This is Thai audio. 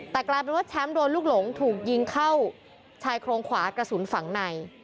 แต่กลายเป็นว่าแชมป์โดนลูกหลงถูกยิงเข้าชายโครงขวากระสุนฝั่งใน